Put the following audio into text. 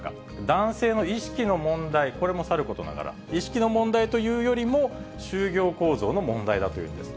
男性の意識の問題、これもさることながら、意識の問題というよりも、就業構造の問題だというんです。